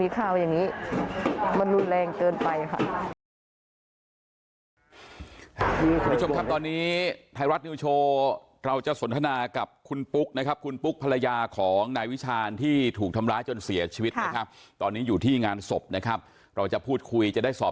กลางกรุงเทพฯคือมีข้าวอย่างนี้